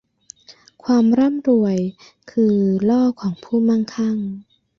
ความร่ำรวยคือล่อของผู้มั่งคั่ง